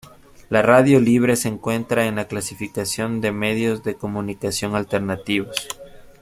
La radio libre se encuentra en la clasificación de Medios de Comunicación Alternativos.